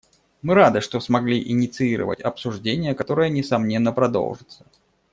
Мы рады, что смогли инициировать обсуждение, которое, несомненно, продолжится.